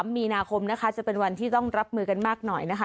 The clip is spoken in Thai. มีนาคมนะคะจะเป็นวันที่ต้องรับมือกันมากหน่อยนะคะ